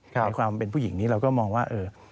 ในความเป็นผู้หญิงนี้เราก็มองว่า